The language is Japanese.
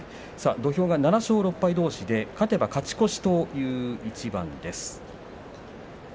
土俵は７勝６敗どうしで勝てば勝ち越しという一番です。